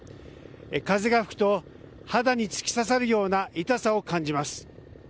風が吹くと肌に突き刺さるような痛さを感じます。